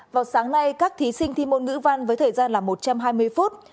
vào sáng nay các thí sinh thi môn ngữ văn với thời gian là một trăm hai mươi phút